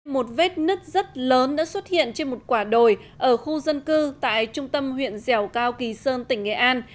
một vết nứt rất lớn đã xuất hiện trên một quả đồi ở khu dân cư tại trung tâm huyện dẻo cao kỳ sơn tỉnh nghệ an